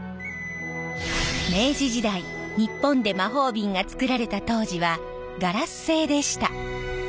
明治時代日本で魔法瓶がつくられた当時はガラス製でした。